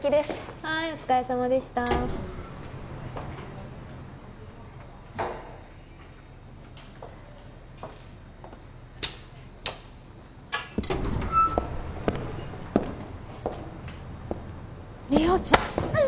はーいお疲れさまでした莉桜ちゃうっ！